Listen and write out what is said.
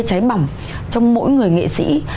cháy bỏng trong mỗi người nghệ sĩ